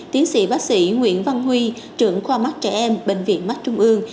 tiến sĩ bác sĩ nguyễn văn huy trưởng khoa mắt trẻ em bệnh viện mắt trung ương